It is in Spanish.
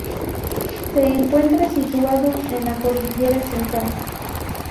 Se encuentra situado en la cordillera Central.